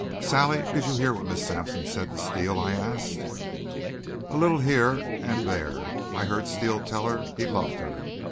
"Sally, did you hear what Miss Sampson said to Steele?" I asked. "A little, here and there. I heard Steele tell her he loved her.